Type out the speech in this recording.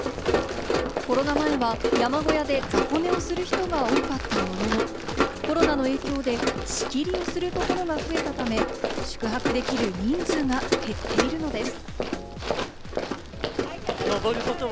コロナ前は山小屋で雑魚寝をする人が多かったものの、コロナの影響で仕切りをするところが増えたため、宿泊できる人数が減っているのです。